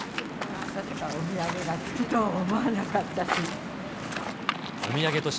まさかお土産が付くとは思わなかったし。